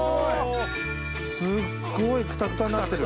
すっごいクタクタになってる！